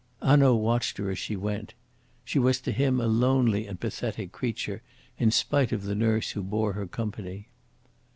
Hanaud watched her as she went. She was to him a lonely and pathetic creature, in spite of the nurse who bore her company.